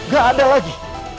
gak ada lagi